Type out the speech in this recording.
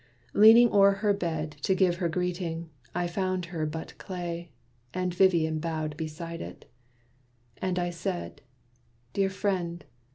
Leaning o'er her bed To give her greeting, I found but her clay, And Vivian bowed beside it. And I said, "Dear friend!